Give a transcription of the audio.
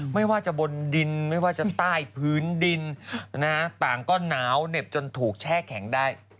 ไม่ว่าจะบนดินไม่ว่าจะใต้พื้นดินต่างก็หนาวเหน็บจนถูกแช่แข็งได้